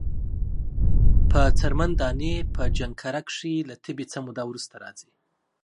په څرمن دانی په جنکره کښی له تبی څه موده وروسته راځی۔